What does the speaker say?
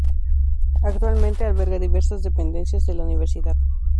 Actualmente alberga diversas dependencias de la Universidad.